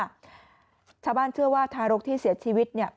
ชาวบ้านเชื่อว่าทารกที่เสียชีวิตเนี่ย